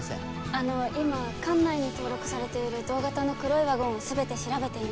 あの今管内に登録されている同型の黒いワゴンを全て調べていまして。